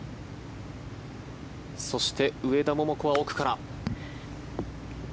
そして、上田桃子は奥から。